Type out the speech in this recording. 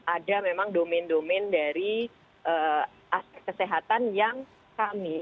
ada memang domain domain dari kesehatan yang kami